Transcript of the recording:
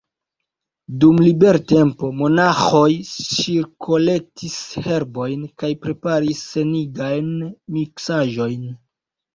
Dum libertempo monaĥoj ŝirkolektis herbojn kaj preparis sanigajn miksaĵojn.